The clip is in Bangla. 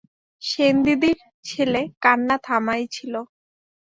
সেনদিদির ছেলে কান্না থামাইয়াছিল।